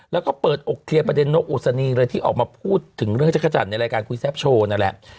แล้วก็เปิดอกเคลียร์ประเด็นนกอุศนีเลยที่ออกมาพูดถึงเรื่องจักรจันทร์ในรายการคุยแซ่บโชว์นั่นแหละ